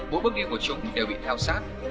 mỗi bước đi của chúng đều bị theo sát